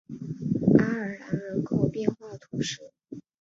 阿尔然人口变化图示